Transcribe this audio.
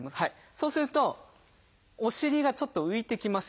そうするとお尻がちょっと浮いてきますよね。